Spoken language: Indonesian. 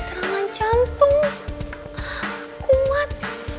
ya udah kita ke rumah